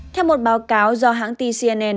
theo một báo cáo do hãng t cnn